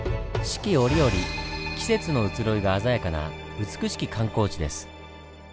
四季折々季節の移ろいが鮮やかな美しき観光地です。